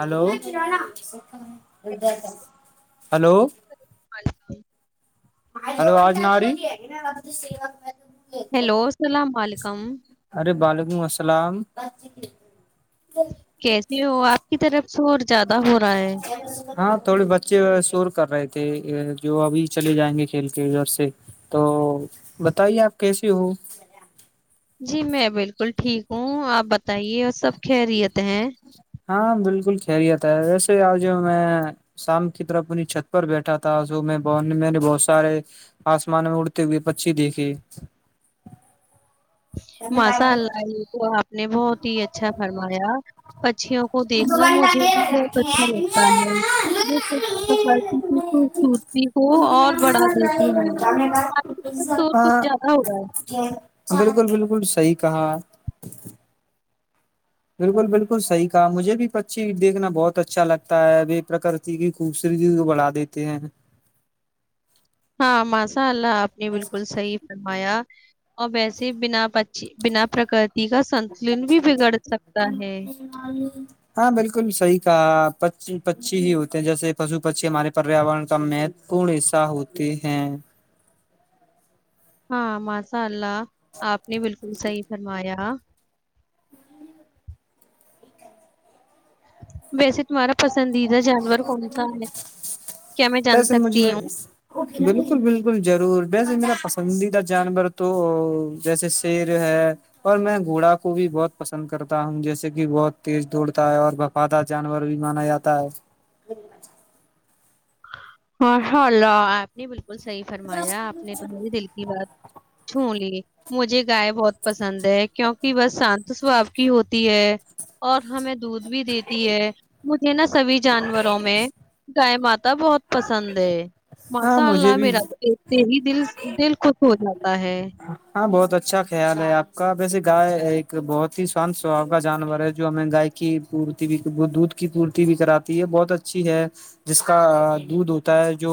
hello hello ہ [inaudible] رج ناری ہیلو السلام علیکم ولیکم السلام کیسے ہو آپ کی طرف سے اور ہاں تھوڑی بچی شور کر رہے تھے جو ابھی چلے جائیں گے کھیل کے ادھر سے تو بتائیے آپ کیسیے ہو جی میں بالکل ٹھیک ہوں آپ بتائیے اور سب خیریت ہیں ہاں بالکل خیریت ویسے ہی آج میں شام کی طرف اننی چھت پر بیٹھا تھا جو میں ب میں نے بہت سارے آسمان میں اڑتے ہوئے پچھی دیکھی ماشاء اللہ کو آپ نے بہت ہی اچھا فرمایا پچھیوں کو دیکھنا مجھے بھی بہت اچھا لگتا ہے میںک کی خوبصورتی کو اور بڑھا دیتی ہوںور کچھ ہاں زیادہ ہو رہا ہے بالکل ب بالکل صحیح کہا بالکل بالکل صحیح کہا مجھے بھی پچی دیکھنا بہت اچھا لگتا ہےب پرکرتی کی خوبصورتی کو بڑھا دیتے ہیں ہاں ماشاء اللہ آپ نے بالکل صحیح فرمایا اور ویسے ہی بنا پچ بنا پرکتی کا سنتلن بھی بگڑ سکتا ہے ہاں بالکل صحیح کہا پ پچی ہی ہوتے ہیں جیسے پشو پچی ہمارے پریاورن کا مہتو پورن حصہ ہوتے ہیں ہاں مسء ال آپ نے بالکل صحیح فرمایا ویسے تمہارا پسندیدہ جانور کون سا ہے کیا میں جان ویسے سکتی مجھے ہوں بالکل بالکل ضرور ویسے میرا پسند پسندیدہ جانور تو جیسے شیر ہے اور میں گھوڑا کو بھی بہت پسند کرتا ہوں جیسے کہ بہت تیز دوڑتا ہے اور بفادار جانور بھی مانا جاتا تاج ہاںشاء اللہ آپنی ب بالکل صحی فرمایا آپ نے تو مھے دل کی بات چھولی مجھے گائے بہت پسند ہے کیونکہ بس شانت سوبھاؤ کی ہوتی ہے اور ہمیں دودھ بھی دیتی ہے مجھے نا سبھی جانوروں میں گائے ماتا بہت پسند ہے ہاں ماشاء مجھے اللہ بھی میرا تو ایے ہی دل دل خوش ہو جگ تا ہے بت اچھا خیال ہے آپ کا ویسے گائے ایک بہت ہی شانت سوا کا جانور ہے جو ہمیں گائے کی پورتی بھی دودھ کی پورتی بھی کراتی ہے بہت اچھی ہے جس کا دودھ ہوتا ہے جو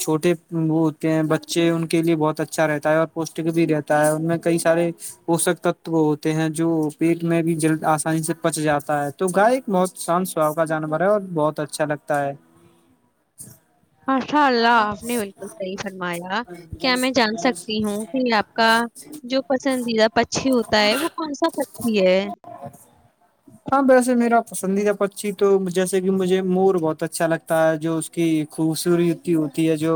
چھوٹے وہ ہوتے ہیں بچے ان کے لیے بہت اچھا اچھا رہتا ہے اور پوشٹک بھی رہتا ہے ان میں کئی سارے پوشک تتو ہوتے ہیں جو پیٹ میں بھی جلد آسانی سے پچ جاتا ہے تو گائے ایک بہت شانت سواؤ کا جانور ہے اور بہت اچھا لگتا ہے ااشاء اللہ آپ نے بالکل صحیح فرمایا کیا میں جان سکتی ہوں کہ آپ کا جو پسندیدہ پکچھی ہوتا ہے وہ کون سا پچی ہے ہاں ویسے میرا پسندیدہ پشی تو جیسے کہ مجھے مور بہت اچھا لگتا ہے جو اس کی خوبصورتتی ہوتی ہے جو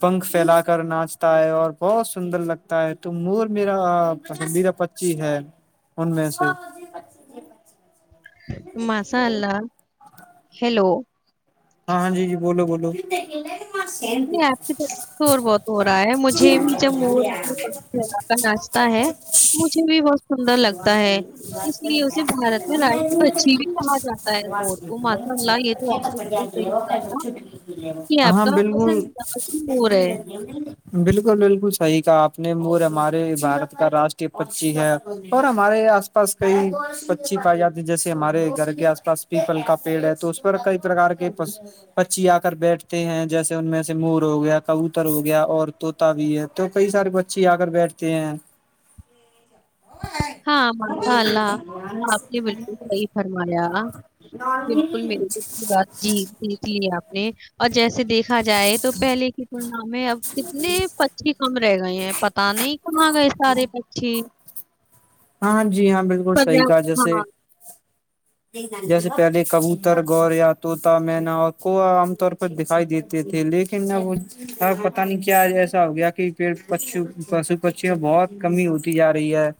پنکھ پھیلا کر ناچ تا اور بہت سندر لگتا ہے تو مور میرا پسندیدہ پچی ہے ان میں سے مسا اللہ ہیلو ہاں ہاں جی جی بولو بولو نہیں آپ کی طرفور بہت ہو رہا ہے مجھے بھی جب مور اپنے علاق ناچتا ہے مجھے بھی بہت سندر لگتا ہے اس لیے اسے بھارت میں راشٹر پچھی بھی کہا جاتا ہے مور کو ماشاء اللہ یہ تو آپ نے بالکل صحیح بتایا کہ آپ ہاں بک کا بالکل پسندیدہ پنچھی مور ہے بالکل بالکل صحیح کا آپ اپنے مور ہمارے بارت کا راشٹری پچھی ہے اور ہمارے آس پاس کئی پچی پائے جاتے جیسے ہمارے گھر کے آس پاس پیپل کا پیڑ ہے تو اس پر کئی پرکار کے پچی آ کر بیٹھتے ہیں جیسے ان میں سے مور ہو گیا کبوتر ہو گیا اور طوط بھی ہے تو کئی سارے پچی آ کر بیٹھتے ہیں ہاں ماشاء اللہ آپ نے بالکل صحیح فرمایا بالکل میرے کی بات جی دیکھ لی آپ نے اور جیسے سے دیکھا جائے تو پہلے کی تلنا میں اب کتنے پچ کی کم رہ گئے ہیں پتا نہیں کہاں گئے سارے پچھی ہاں جی ہاں بالکل صحیح کہ جیسے ہاں جیسے پہلے کبوتر گوریا طوط مینا اور کو عام طور پر دکھائی دیتے تھے لیکن اب پتا نہیں کیا ایسا ہو گیا کہ پڑ پ پشو پشی بہت کمی ہوتی جا رہی ہے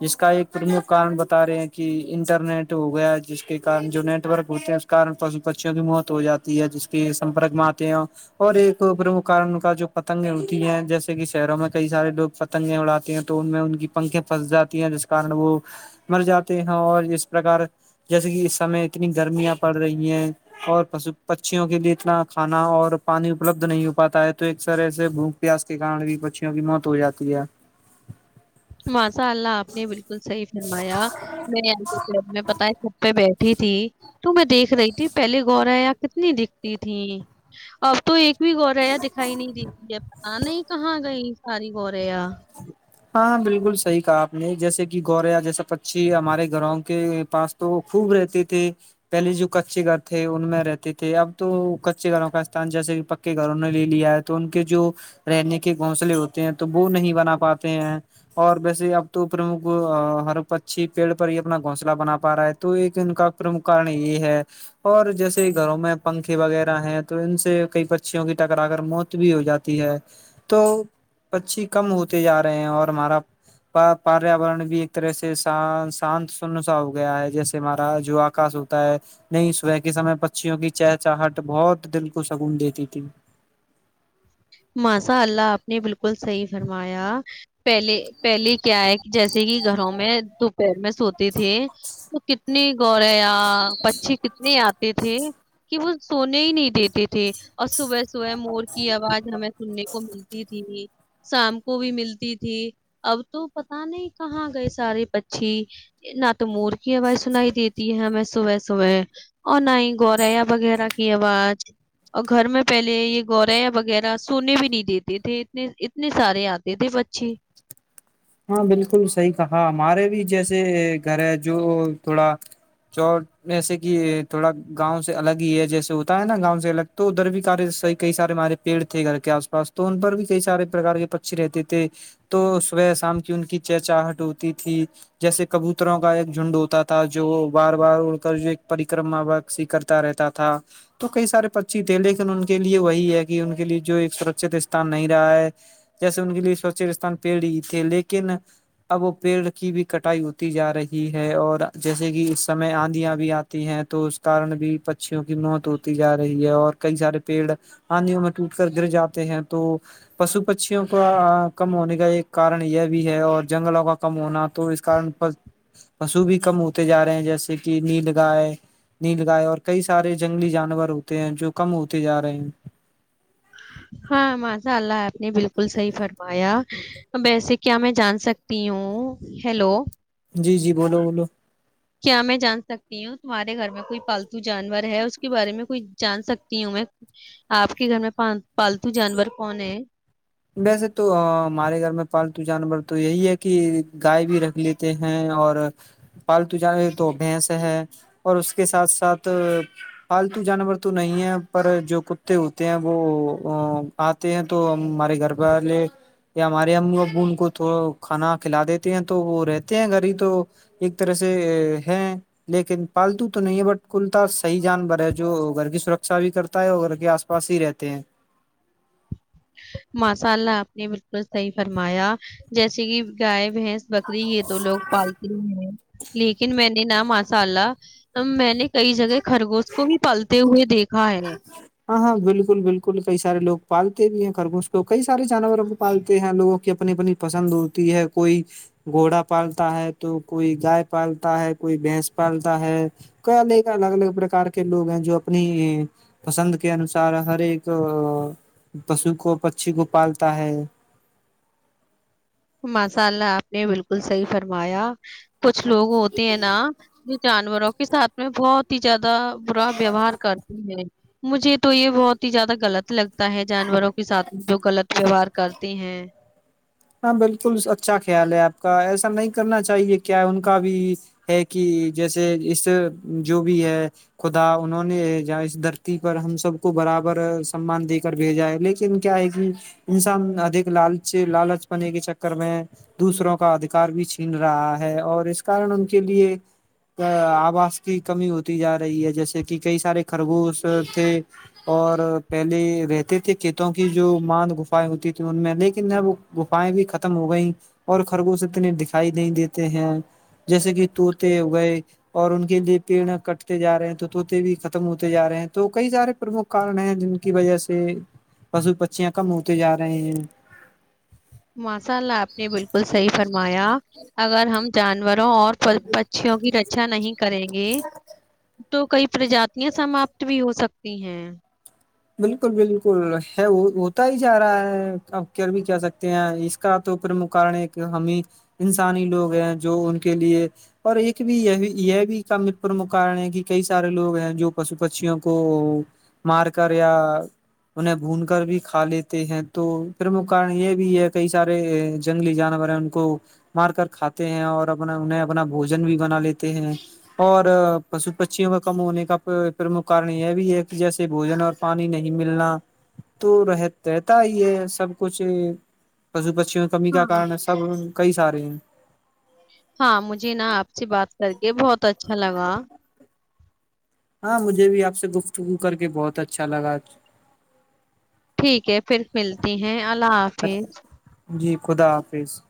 جس کا ایک پرمکھ کن بتا رہے ہیں کہ انٹرنیٹ ہو گیا جس کے جو نیٹ ورک ہوتے ہیں اس کن پشو پچیوں کی موت ہو جاتی ہے جس کے سمپرک میں آتے ہیں اور ایک پرمکھ کارن ان کا جو پتنگیں ہوتی ہیں جیسے کہ شہروں میں کئی سارے لوگ پتنگیں اڑاتے ہیں تو ان میں ان کی پنکھے پھنس جاتی ہیں جس کن وہ مر جاتے ہیں اور اس پرکار جیسے کہ اس سمے اتنی گرمیاں پڑ رہی ہیں اور پ پکچیوں کے لیے اتنا کھانا اور پانی اپلبدھ نہیں ہو پاتا ہے تو ایک طرح سے بھوک پیاس کے کار بھی پکچوں کی موت ہو جاتی ہے ماسا اللہ آپ نے بالکل صحیح فرمایا میںے پتا پ بیٹھی تھی تو میں دیکھ رہی تھی پہلے گورا کتنی دکھتی تھھی اب تو ایک بھی گ رہے دکھائی نہیں دیتی ہے پت نہیں کہاں گئی سری پ رہ ہاں ہاں بالکل صحیح کہا آپ نے جیسے کہ گوریا جیسے پچی ہمارے گھروں کے پاس تو خوب رہتے تھے پہلے جو کچے گھر تھے ان میں رہتے تھے اب تو کچے گھروں کا استان جیسے کہ پے گھروں نے لے لیا ہے تو ان کے جو رہنے کے گھونسلے ہوتے ہیں تو وہ نہیں بنا پاتے اور ویسے اب تو پرمکھ ہر پچی پیڑ پر ہی اپنا گونسلہ بنا پا رہا ہے تو ایک ان کا پرمکھ کارن یہ ہے اور جیسے گھروں میں پنکھے وغیرہ ہیں تو ان سے کئی پھیوں کی ٹکرا کر موت بھی ہو جاتی ہے تو پھیی کم ہوتے جا رہے رہے ہیں اور ہمارا پیاورن بھی ایک طرح سے شانت سنسا ہو گیا ہے جیسے ہمارا جو آکاش ہوتا ہے نہیں صبح کے سمے پچیوں کی چہ چاہٹ بہت دل کو سگون دیتی تھی ماسا اللہ آپ نے بالکل صحیح فرمایا پہلے پہلے کیا ہے جیسے کہ گھروں میں دوپہر میں سوتی تھی تو کتنی گور پچھی کتنی آتی تھی کہ وہ سونے ہی نہیں دیتے تھے اور صبح صبح مور کی آواز ہمیں سننے کو ملتی تھی شام کو بھی ملتی تھی اب تو پتا نہیں کہاں گئے سارے پچھی نہ تو مور کی آواز سنائی دیتی ہے ہمیں صبح صبح اور نہ ہی گوریا وغیرہ کی آواز اور گھر میں پہلے یہ گوریا وغیرہ سونے بھی نہیں دیتے تھے اتنے اتنے سارے آتے تھے بچے ہاں بالکل صحیح کہا ہمارے بھی جیسے گھر ہے جو تھوڑا چوٹ جیسے کہ تھوڑا گاؤں سے الگ ہی ہے جیسے ہوتا ہے نا گاؤں سے الگ تو ادھر بھی کارے کئی سارے ہمارے پیڑ تھے گھر کے آس پاس تو ان پر بھی کئی سارے پرکار کے پکچی رہتے تھے تو سب شام کی ان کی چہچاہٹ ہوتی تھی جیسے کبوتروں کا ایک جھنڈ ہوتا تھا جو بار بار اڑ کر جو ایک پرکرما و س کرتا رہتا تھا تو کئی سارے پچی تھے لیکن ان کے لیے وہی ہے کہ ان کے لیے جو ایک سرچت استھان نہیں رہا ہے جیسے ان کے لیے سرچت استھان پیڑھی لیکن اب پیڑ کی بھی کٹائی ہوتی جا رہی ہے اور جیسے کہ اس سمے آندھیاں بھی آتی ہے تو اس کارن بھی پکچوں کی موت ہوتی جا رہی ہے اور کئی سارے پیڑ آندھیوں میں ٹوٹ کر گر جاتے ہیں تو پشو پھیوں کا کم ہونے کا ایک کارن یہ بھی ہے اور جنگلوں کا کم ہونا تو اس کارن پشو بھی کم ہوتے جا رہے ہیں جیسے کہ نیل گائے نیل گائے اور کئی سارے جنگلی جانور ہوتے ہیں جو کم ہوتے جا رہے ہیں ہاں ماشاء اللہ آپ نے بالکل صحیح فرمایا ویسے کیا میں جان سکتی ہوں ہیلو جی جی بولو بولو کیا میں جان سکتی ہوں تمہارے گھر میں کوئی پالتو جانور ہے اس کے بارے میں کوئی جان سکتی ہوں میں آپ کے گھر میں پالتو جانور کون ہے ویسے تو ہمارے گھر میں پالتو جانور تو یہی ہے کہ گائے بھی رکھ لیتے ہیں اور پالتو جانور تو بھینس ہے اور اس کے ساتھ ساتھ پالتو جانور تو نہیں ہے پر جو کتے ہوتے ہیں وہ آتے ہیں تو ہمارے گ گھر والے یا ہمارے امیو ابو ان کو تھ کھانا کھلا دیتے ہیں تو وہ رہتے ہیں گھر ہی تو ایک طرح سے ہے لیکن پالتو تو نہیں ہے بٹ کلتا صحیح جانور ہے جو گھر کی سرکشا بھی کرتا ہے اور گھر کے آس پاس ہی رہتے ہیں ماساء اللہ آپ نے بالکل صحیح فرمایا جیسے کہ گائے بھینس بکری یہ تو لوگ پالتے ہیں لیکن میں نے ن ماسال اللہ میں نے کئی جگہ خرگوش کو بھی پلتے ہوئے دیکھا ہے ہاں ہاں بالکل بالکل کئی سارے لوگ پالتے بھی ہیں خرگوش کو کئی سارے جانور پالتے ہیں لوگوں کی اپنی اپنی پسند ہوتی ہے کوئی گھوڑا پالتا ہے تو کوئی گائے پالتا ہے کوئی بھینس پالتا ہے کئی ال الگ الگ پرکار کے لوگ ہیں جو اپنی پسند کے انوسار ہر ایک پشو کو پکشھی کو پالتا ہے ماساء اللہ آپ نے بالکل صحیح فرمایا کچھ لوگ ہوتے ہیں نا جانوروں کے ساتھ میں بہت ہی زیادہ تو برا ویوہار کرتی ہے مجھے تو یہ بہت ہی زیادہ غلط لگتا ہے جانوروں کے ساتھ جو غلط ویوہار کرتے ہیں ہاں بالکل اچھا خیال ہے آپ کا ایسا نہیں کرنا چاہیے کیا ان کا بھی ہے کہ جیسے اس جو بھی ہے خدا انہوں نے اس دھرتی پر ہم سب کو برابر سمان دے کر بھیجا ہے لیکن کیا ہے کہ انسان ادھک لالچ لال پنے کے چکر میں دوسروں کا ادھکار بھی چھین رہا ہے اور اس کارن ان کے لیے آواس کی کمی ہوتی جا رہی ہے جیسے کہ کئی سارے خرگوش تھے اور پہلے رہتے تھے کھیتوں کی جو ماند گفائیں ہوتی تیں ان میں لیکن اب گفائیں بھی ختم ہو گئییں اور خرگوش اتنے دکھائی نہیں دیتے ہیں جیسے کہ طوط ہو گئے اور ان کے لیے پیڑ کٹتے جا رہے ہیں تو ط توط بھی ختم ہوتے جا رہے ہیں تو کئی سارے پرمکھ کارن ہیں جن کی وجہ سے پشو پھیاں کم ہوتے جا رہے ہیں ماشاء اللہ آپ نے بالکل صحیح فرمایا اگر ہم جانیں جانوروں اور پچیوں کی رچا نہیں کریں گے تو کئی پرجاتیاں سماپت بھی ہو سکتی ہیں بالکل بالکل ہے وہ ہوتا ہی جا رہا ہے ا بھی کہ سکتے ہیں اس کا تو پرمکھ کارن ایک ہمیں انسانی لوگ ہیں جو ان کے لیے اور ایک بھی یہ یہ بھی کا پرمکھ کارن ہے کہ کئی سارے لوگ ہیں جو پشو پشیوں کو مار یا انہیں بھون کر بھی کھا لیتے ہیں تو پرمکھ کارن یہ بھی ہے کئی سارے جنگلی جانور ہیں ان کو مار کر کھاتے ہیں اور اپنا انہیں اپنا بوجن بھی بنا لیتے ہیں اور پشو پچیوں کا کم ہونے کا پرمکھ کن یہ بھی ہے کہ جیسے بوجن اور پانی نہیں ملنا تو رہ رہتا ہی ہے سب کچھ پو پ پچ میں کمی کا ہاں کن سب کئی سارے ہیں ہاں مجھے نا آپ سے بات کر کے بہت اچھا چلاوا ہاں مجھے بھی آپ سے گفتگو کر کے بہت اچھا لگا ٹھیک ہے پھر ملتی ہیں اللہ حافظ جی خدا حافظ